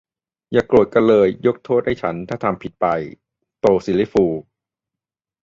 "อย่าโกรธกันเลย ยกโทษให้ฉันถ้าทำผิดไป" - โต ซิลลี่ฟูล